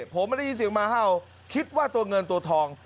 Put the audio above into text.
ผมไม่ได้ยินเสียงหมาเห่าคิดว่าตัวเงินตัวทอง